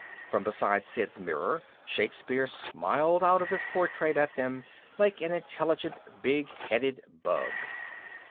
From beside Sid's mirror, Shakespeare smiled out of his portrait at them like an intelligent big headed bug.